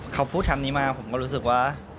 เขาพูดคำนี้มาผมก็รู้สึกว่า